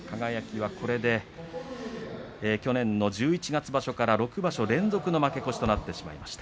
これで去年の十一月場所から６場所連続の負け越しとなってしまいました。